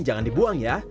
jangan dibuang ya